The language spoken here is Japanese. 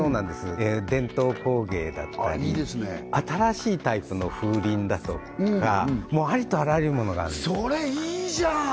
伝統工芸だったり新しいタイプの風鈴だとかありとあらゆるものがあるんですそれいいじゃん！